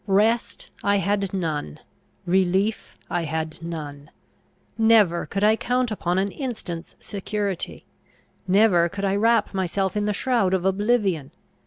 Rest I had none; relief I had none: never could I count upon an instant's security; never could I wrap myself in the shroud of oblivion.